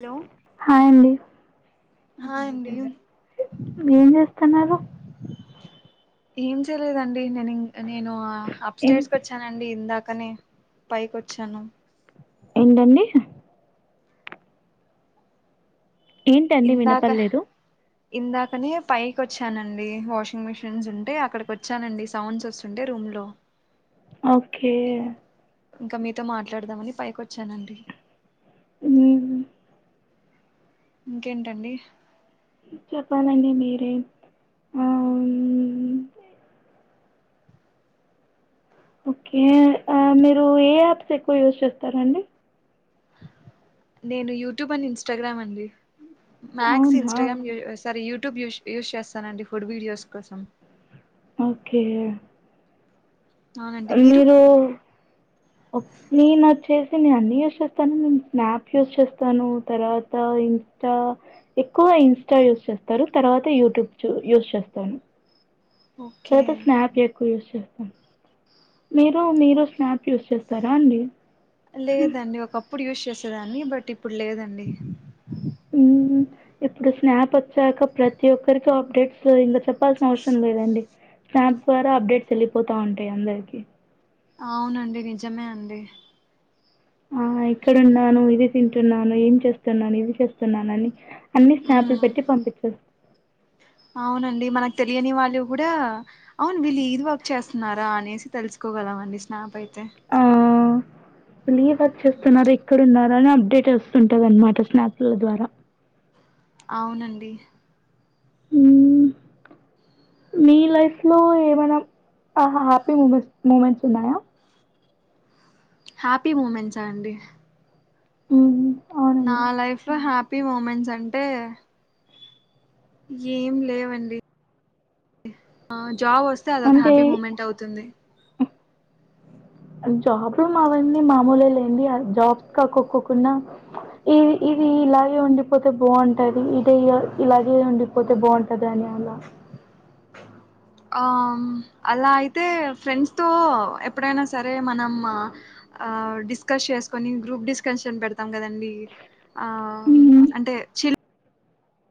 Hello హాయండి hi అండి ఏం చేస్తున్నారు ఏం చేయలేదం న నిను నేను అప్ ఏం స్టేట్స్ వచ్చానండి ఇందాక కాని పైకి వచ్చాను ఏంటండి ఏంటండి ఇందాక వినపడలేదు ఇందాకనే పైకి వచ్చానండి వాషింగ్ మెషిన్స్ ఉంటే అక్కడికి వచ్చానండి సౌండ్స్ వస్తుంటే రూమ్ లో ఓకే ఇంకా మీతో మాట్లాడదామని పైకొచ్చానండి మ్ హు ఇంకేంటండి చెప్పలాండి మీరే ఆ హ్మ్ ఓకే మీరు ఆ ఏ యాప్స్ ఎక్కువ యూజ్ చేస్తారంండి నేను యూట్యూబ్ అండ్ ఇన్స్టాగ్రామ్ అండి మక్స్ అవునా ఇన్స్టాగ్రామ్ యు sorry YouTube use use చేస్తానండి ఫుడ్ వీడియోస్ కోసం ఓకే మీరు ఒక్ నేను వచ్చేసి నేను అన్ని యూస్ చేస్తాను. నేను స్నాప్ యూస్ చేస్తాను. తర్వాత ఇంస్టా ఎక్కువ ఇంస్టా యూస్ చేస్తారు. తర్వాత యూట్యూబ్ చు యూస్ చేస్తాను. ఓకే తరత స్నాప్ ఎక్కువ యూ చెప్పు మీరు మీరు ఓకే స్నాప్ యూస్ చేస్త్ స్తార అండి లేదండి ఒకప్పుడు యూస్ చేశా చేసేదాన్ని బట్ ఇప్పుడు లేదండి హు ఇప్పుడు స్నాప్ వచ్చాక ప్రతి ఒక్కరికి అప్డేట్స్ ఇంగా చెప్ ప్పాల్సిన అవసరం లేదండి స్నాప్ ద్వారా అప్డేట్స్ వెళ్ళిపోతా ఉంటాయి అందరికి అవునండి నిజమే అండి ఆ, ఇక్కడున్నాను. ఇది తింటున్నాను, ఏం చేస్తున్నాను, ఇది చేస్తున్నాను అని అన్ని ఉమ్ స్నాపులు పెట్టి పంపించచ్చు అవునండి, మనకు తెలియని వాళ్ళవి గూడా. అవును, వీళ్ళు ఇది వర్క్ చేస్తున్నారా అనేసి తెలుసుకోగలం అండి స్నాప్ అయితే తే లే వర్క్ చేస్తున్నారు ఎక్కడున్నారు ట్లన్న అప్డేట్ వస్తుంటది అనమాట స్నాప్ల ద్వారా అవునండి హు మీ లైఫ్ లో ఏమైనా ఆహ్ హ్యాపీ మూమెంట్ మూమెంట్స్ ఉన్నాయా హ్యాపీ మూమెంట్సా అండి హు నా లైఫ్లో హ్యా పీ మూమెంట్స్ అంటే ఏం లేవండి ఆ జాబ్ వస్తే అదొక అంటే హ్యాపీ మూమెంట్ అవుతుంది జాబ్లు మావన్నీ మామూలే లేండి. ఆ జాబ్స్ కాకోకోకున్నా ఇది ఇది ఇలాగే ఉండిపోతే బాగుంటాది ఇది ఇయ ఇలాగే ఉండిపోతే బాంటది అని అలా ఆమ్ అలా అయితే ఫ్రెండ్స్ తో ఎప్పుడైనా సరే మనం ఆ ఆ డిస్కస్ చేసుకొని గ్రూప్ డిస్కషన్ పెడతాం కదండి ఆ మ్మ్ అంటే చిల్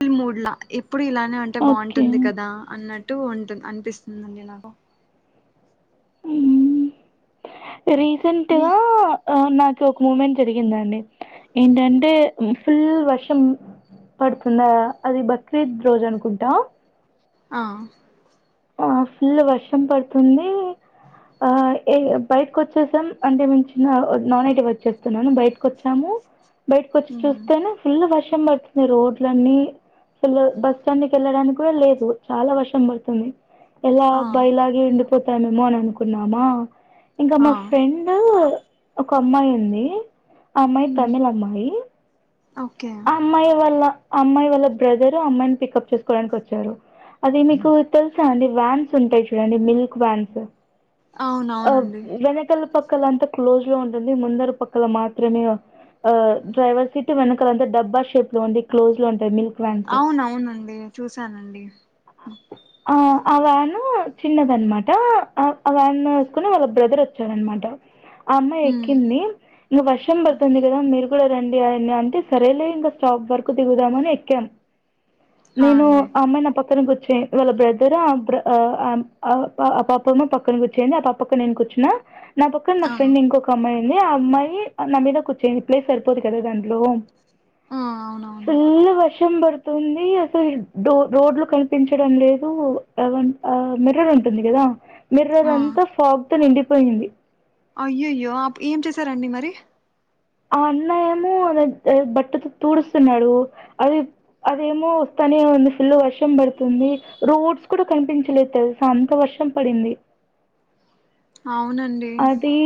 చిల్ మూడ్లా ఎప్ ఎప్పుడు ఇలానే ఉంటే ఓకే బావుంటుంది కదా అన్నట్ టు ఉంటుంద్ అన్పిస్తుందండి నాకు మీ రీసెంటుగా ఆ నా ఓక్ మూమెంట్ జరిగిందండి ఏంటంటే ఫుల్ వర్షం పడుతుందా అది బక్రీద్ రోజనుకుంటా. ఆ ఆ ఫుల్లు వర్షం పడ్తుంది ఆ ఏయ్ బైకొచ్ చూసాం అంటే మేం చిన్న నాన్ ఐటి వర్క్ చేస్తున్నాను బైటకొచ్చాము బైటకొచ్చి చూస్తేనే ఫుల్లు వర్ష్ వర్షం పడుతుంది రోడ్లన్నీ పిల్లల్ బస్ స్టాండ్ కెళ్ళడానికి కూడా లేదు చాలా వర్షం పడుతుంది. ఎలా ఆ బైలాగి ఎందుకు పోతానేమో అననుకున్నామా ఇంకా ఆ మా ఫ్రెండు ఒక అమ్మాయి ఉంది ఆ అమ్మాయి ఉమ్ తమిల్ అమ్మాయి ఓకే ఆ అమ్మాయి వల్ల ఆ అమ్మాయి వాళ్ళ బ్రదరు అమ్మాయిని పికప్ చేసుకోడానికి వచ్చారు అది మీకు తెలుసా అండి వ్యాన్స్ ఉంటాయి చూడండి మిల్క్ వ్యాన్స్ ఆ అవునవునండి వెనకల్ పక్ కళ్ళంతా క్లోజ్ లో ఉంటుంది ముందర పక్కల మాత్రమే ఆ డైవర్సిటీ వెన కలంతా డబ్బా షేప్ లో ఉంది క్లోజ్ లో ఉంటయి మిల్ అవునవునండి చూసానండి ఆ ఆ వాను చిన్నదన్మాట అ ఆ వ్యాన్ నోసుకుని వాళ్ళ బ్రదర్ వచ్చాడన్మాట. ఆ అమ్మాయ్ ఉమ్ ఎక్కింది ఇంగ వర్షం పడుతుంది కదా మీరు కూడదండి ఆయన్ని అంటే సరేలే ఇంగ స్టాప్ వర్కు దిగుదామని ఎక్కాం హా నేను అండి అమ్మాయ్ నా పక్ తను గుచ్చే వాళ్ళ బ్రదరు ఆబ్ర ఆ ఆమ్ ఆ ఆ పాపను పక్కన కూర్చునింది ఆ పాప్ పక్క నేను కూర్చున్న నా పక్కన్ నా ఆ ఫ్రెండ్ ఇంకొకమ్మయ్ నే ఆ అమ్మాయి అ నా మీద కూర్చునుంది ప్లేస్ సరిపోదు కదా దాంట్లో ఆ అవునవును ఫుల్లు వస్ సుం పడుతుంది అసలు ఈ డో రోడ్లు కనిపించడం లేదు అవన్ ఆ మిర్రర్ ఉంటుంది కదా మిర్ర ఆ రంతా ఫాగ్ తో నిండి పొయ్యింది అయ్యయ్యో అప్ ఏం చేసారండి మరి ఆ అన్న ఏమో అ బట్టతో తూడుస్తున్నాడు అది అదేమో వస్తానే ఉంది ఫుల్ వర్షం పడుతుంది రోడ్స్ కూడా కనిపించలేదు తెలుసా అంత వర్షం పడింది అవునండి అది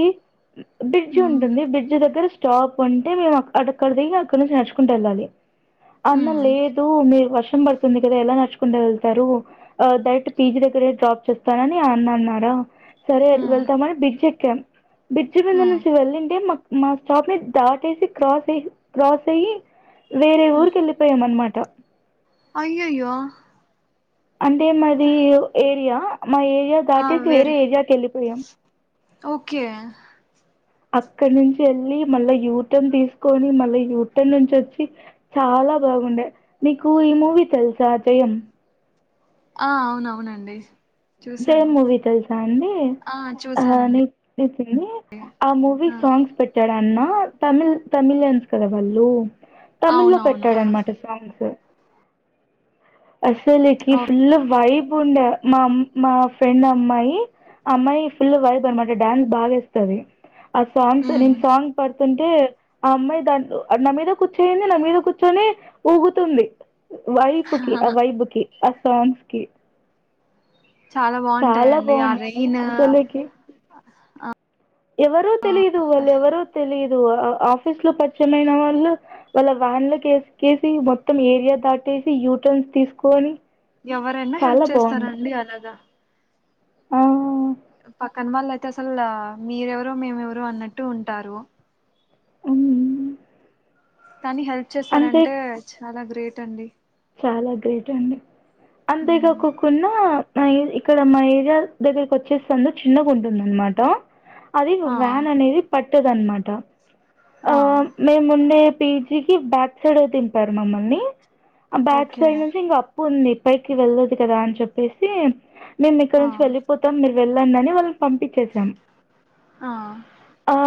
బ్రిడ్జ్ ఉమ్ ఉంటుంది బ్రిడ్జ్ దగ్గర స్టాప్ ఉంటే మేము అక్కడక్కడ దిగి అక్కడ నుంచి నడుచుకుంటే వెళ్ళాలి అన్న ఉమ్ లేదు మీరు వ వర్షం పడుతుంది కదా ఎలా నచ్చుకుంట వెళ్తారు ఆ డైరెక్ట్ పి జీ దగ్గరే డ్రాప్ చేస్తానని అ అన్నా అన్నారా సరే ఉమ్ వెళ్తాం అని బిగ్ చెక్కమ్ బ్రిడ్జి ముందు ఉమ్ నుంచి వెళ్ళింటే మాకు మా స్టాప్ ని దాటేసి క్రాస్ అయ్ క్రాస్ అయ్యి వేరే ఊరికి వెళ్ళిపోయాము అన్నమాట త్త అయ్యయ్యో అంటే మరి యో ఏరియా మా ఏరియా దాటేసి వేరే ఏరియాకి వెళ్ళిపోయాం ఓకే అక్కడి నుంచి వెళ్ళి మళ్ళా యూటన్ తీసుకొని మళ్ళా యూటన్ నుంచి వచ్చి చాలా బాగుండే నీకు ఈ మూవీ తెలుసా జయం ఆ అవునవునండి జయం చూసాను మూవీ తెలుసా అండి ఆ నీ నీ ఇన్ని ఆ మూవీ సాంగ్స్ పెట్టాడు ఇలా అన్నా తమిళ్ తమిళ్ళన్స్ కదా వాళ్ళు లోమ్ తమిళ్ లో అవునవును ఆ పెట్టాడనమాట సాంగ్స్ అసలు లేెకిి ఓ ఫుల్ వయి ఉండ మామ్ మా ఫ్రెండ్ అమ్మాయి ఆ అమ్మాయి ఫుల్ వైబ్ అనమాట డాన్స్ బాగా వేస్తది ఆ సాంగ్స్ ఉమ్ నిమ్ సాంగ్ పర్ కంటే ఆ అమ్మాయి దా నా మీద కూర్చోయుంది నా మీద కూర్చొని ఊగుతుంది కి అవైబ్ కి ఆ సాంగ్స్ కి చాలా చాలా బాగుంటాయిండి ఆ బాగున్నాయి రైను ఎవరు తెలియదు వాళ్ళు ఎవరు తెలియదు ఆఫీస్ లో పర్చమైన వాళ్ళు వాళ్ళ వ్యాన్ లో వేసుకేసి మొత్తం ఏరియా దాటేసి యూటన్స్ తీసుకొని ఎవరైనా హెల్ప్ చాలా బాగుండే చేస్తారండి అలాగా ఆ పక్కన వాళ్ళు అయితే అసలు మీరెవరో మేము ఎవరో అన్నట్టు ఉంటారు. ఊ కానీ హెల్ప్ చేశారంటే చాలా గ్రేట్ అండి చాలా గ్రేట్ అండి అంతే ఉమ్ కాకోకున్న ఆ ఏది ఇక్కడ మా ఏరియా దగ్గరకి వచ్చేసందు చిన్నగా ఉంటుంద అన్నమాట. అది ఆ వ్యాన్ అనేది పట్ ట్టద్ అనమాట ఆ మేము ముండే పీ జి కిి బ్యాక్ సైడ్ అ దింపారు మమ్మల్ని ఆ బ్యాక్ ఓకే సైడ్ నుంచి ఇంకా ఉంది పైకి వెళ్ళదు కదా అని చెప్పేసి మేము ఇక్కడి ఆ నుంచి వెళ్ళిపోతం మీర్ వెళ్ళండి అని వాళ్ పంపించేసాం ఆ ఆ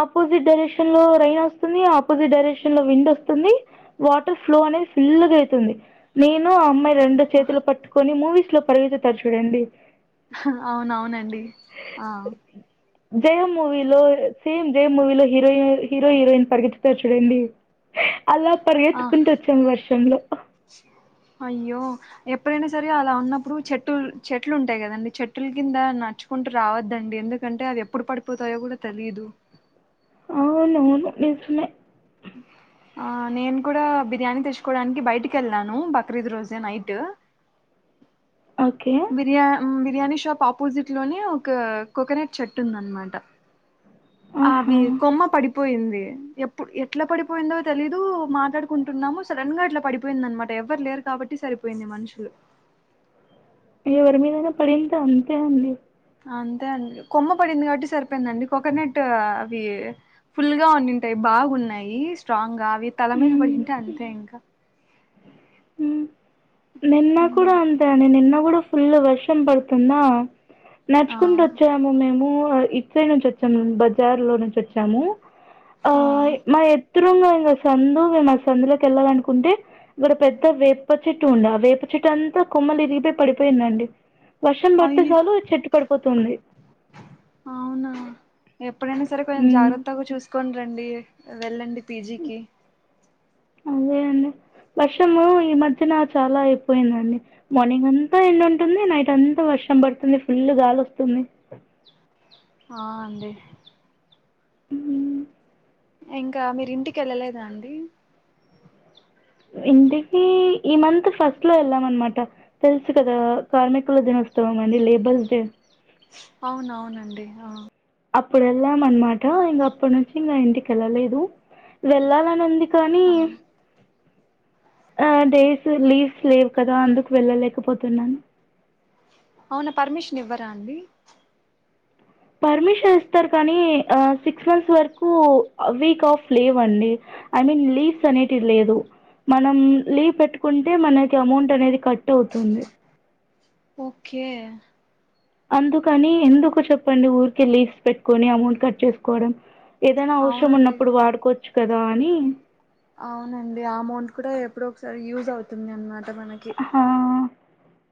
ఆపోజిట్ డైరెక్షన్ లో రైన్ వస్తుంది ఆపోజిట్ డైరెక్షన్ లో విండ్ వస్తుంది వాటర్ ఫ్లో అనేది ఫుల్ [inaudible] లేస్తుంది నేను అమ్మాయి రెండు చేతులు పట్టుకొని మూవీస్ లో పరిగేతుతారు చూడండి హ అవునవునండి ఆ జయం మూవీలో సేమ్ జయం మూవీలో హీరోయిన్ హీరో హీరోయిన్ పరిగెత్తుతారు చూడండి అలా ఆ పరిగెత్తుకుంటూ వచ్చాం వర్షంలో అయ్యో ఎప్పుడైనా సరే అలా ఉన్నప్పుడు చెట్టులు చెట్లు ఉంటాయి కదండి చెట్ల కింద నడుచ్చుకుంటూ రావద్దండి, ఎందుకంటే అవి ఎప్పుడు పడిపోతాయో కూడా తెలిదు. అవునువును నిజమే ఆ నేను కూడా బిర్యానీ తెచ్చుకోవడానికి బయటికి వెళ్ళాను బక్రీద్ రోజే నైట్ ఓకే బిర్యా బిర్యాని షా షాప్ ఆపోజిట్ లోనే ఒక కోకనట్ చెట్టు ఉంది అనమాట ఆహా అవి కొమ్మ పడిపొయ్ పోయింది ఎప్పుడ్ ఎట్లా పడిపోయిందో తెలీదు మాట్లాడుకుంటున్నాము సడన్ గా అట్లా పడిపోయింది అనమాట ఎవరు లేరు కాబట్టి సరిపోయింది మనుషులు ఎవరి మీదైనా పడింటె అంతే అండి అంతే అండి కొమ్మ పడింది కాబట్టి సరిపోయిందండి కోకోనట్ అవి ఫుల్ గా ఉండుంటాయి బాగున్నాయి స్ట్రాంగ్ గా వి తల మీద మ్మ్. పడింటే అంతే ఇంకా ఉ నిన్న కూడా అంతే అండి నిన్న ఇప్పుడు ఫుల్ వర్షం పడుతుందా ఆ నడుచుకుంట వచ్చాము మేము ఇటుసైడ్ నుంచి వచ్చాము బజార్ లో నుంచి వచ్చాము ఆ ఎదురుంగా ఇంగ సందు మేము ఆ సందులోకి వెళ్ళాలినుకుంటే ఇక్కడ పెద్ద వేప చెట్టు ఉంది ఆ వేప చెట్టు అంతా కొమ్మలు విరిగిపోయి పడిపోయిందండి వర్షం పడితే అయ్య చాలు చెట్టు పడిపోతుంది అవునా ఎప్పుడైనా సరే కొంచెం మ్మ్ జాగ్రత్తగా చూస్త తీసుకని రండి వెళ్ళండి పి జీ కి అదే అండి వర్షము ఈ మధ్యన చాలా అయిపోయిందండి మార్నింగ్ అంతా ఎండు ఉంటుంది నైట్ అంతా వర్షం పడుతుంది ఫుల్ గాలి వస్తుంది ఆ అండి హుమ్ ఇంకా మీరి ఇంటికి వెళ్ళలేదా అండి ఇంటికి ఈ మంత్ ఫస్ట్ లో వెళ్ళాం అనమాట తెలుసు కదా కార్మికుల దినోత్సవం అండి లేబర్స్ డే అవున అవునండి అప్పుడు వెళ్ళాం అనమాట ఇంక అప్పటి నుంచి ఇంకా ఇంటికిెళ్ళలేదు వేళలనుంది ఆ డేస్ లీవ్స్ లేవు కదా అందుకు వెళ్ళలేకపోతున్నాను. అవున పర్మిషన్ ఇవ్వరా అండి. పర్మిషన్ ఇస్తారు కానీ సిక్స్ మంత్స్ వరకు వీక్ ఆఫ్ లీవ్ అండి ఐ మీన్ లీవ్స్ అనేటివి లేదు మనం లీవ్ పెట్టుకుంటే మనకి అమౌంట్ అనేది కట్. అవుతుంది ఓకే. అందుకని ఎందుకో చెప్పండి ఊరిక లీజ్ పెట్టుకొని అమౌంట్ కట్ చేసుకోవడం. ఏదైనా అవసరం అవునండి ఉన్నప్పుడు వాడుకోవచ్చు. కదాని. అవునండి ఆ అమౌంట్ కూడా ఎప్పుడో ఒకసారి యూజ్ అవుతుంది అనమాట. త మనకి. హా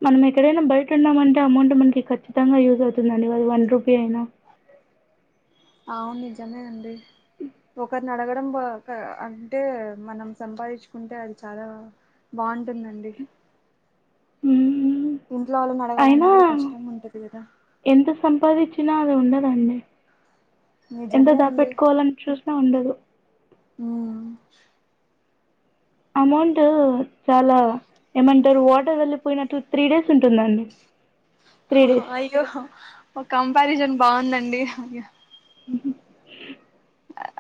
మనం ఎక్కడైనా బయట ఉన్నామంటే అమౌంట్ మనకి ఖచ్చితంగా యూజ్ అవుతుందండి కాదు వన్ రూపీ అయినా. అవును నిజమేనండి. ఒక్కరిని అడగడం. అంటే మనం సంపాదించుకుంటే అది చాలా బాగుంటుందండి. మ్మ్ ఇంట్లో వాళ్ళం అడగాలన్నా అయినా కూడా కష్టం గ ఉంటాది కదా. నాది ఉండదండి. ఎంత నిజమే అండి దాపెట్టుకోవాలని చూసిన ఉండదు. హ్మ్. అమౌంట్ చాలా ఏమంటారు వాటర్ వెళ్ళిపోయినట్టు త్రీ డేస్. ఉంటుందండి త్రీ డేస్. ఒక కంపారిజన్ బాగుందండి ఆ.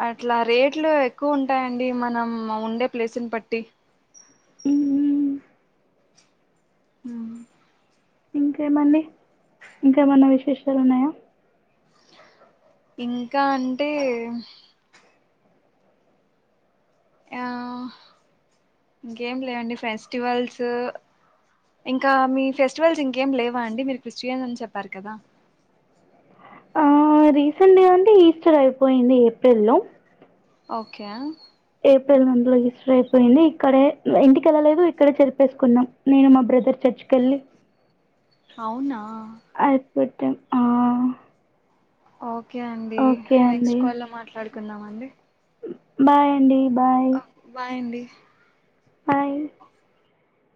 అట్లా రేట్లు ఎక్కువ ఉంటాయండి మనం ఉండే ప్లేసుని బట్టి. హమ్ హమ్ హామ్ ఇంకేమండి ఇంకా ఏమన్నా విశేషాలు ఉన్నాయా. ఇంకా అంటే. ఆహా ఇంకేం లేవండి ఫెస్టివల్స్ ఇంకా మీ ఫెస్టివల్స్ ఇంకేమి లేవా అండి మీరు క్రిస్టియన్స్ అని చెప్పారు కదా. ఆహా రీసెంట్ గా అంటే ఈస్టర్ అయిపోయింది ఏప్రిల్ లో. ఓకే. ఏప్రిల్ మందిలో హిస్టర్ అయిపోయింది ఇక్కడే ఇంటికి వెళ్ళలేదు ఇక్కడే చెరిపేసుకున్నాం నేను మా బ్రదర్ చర్చ్ కీ వెళ్ళి అవున. పట్టం ఆహా. ఆ ఓకే అండి నెక్స్ట్ కాల్లో మాట్లాడుకుందామ అండి. బాయ్ అండి బాయ్. ఆ బాయ్ అండి. హాయ్.